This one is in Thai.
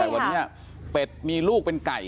แต่วันนี้เป็ดมีลูกเป็นไก่